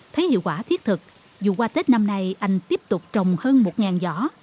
thấy hiệu quả thiết thực dù qua tết năm nay anh tiếp tục trồng hơn một giỏ